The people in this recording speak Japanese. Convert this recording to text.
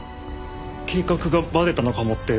計画がバレたのかもって。